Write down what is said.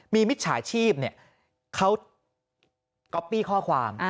มีมิจฉาชีพเขาก๊อปปี้ข้อความ